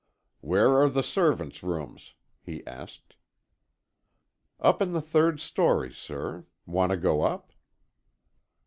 "Where are the servants' rooms?" he asked. "Up in the third story, sir. Want to go up?"